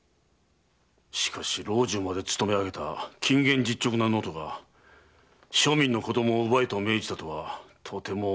しかし老中まで勤め上げた謹厳実直な能登が庶民の子供を奪えと命じたとはとても思えんが。